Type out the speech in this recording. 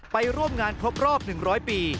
ไปร่วมงานครบรอบ๑๐๐ปี